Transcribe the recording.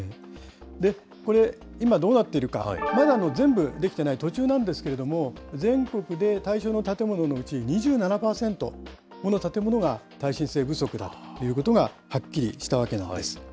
これ、今どうなっているか、まだ全部できていない途中なんですけれども、全国で対象の建物のうち２７％の建物が耐震性不足だということがはっきりしたわけなんです。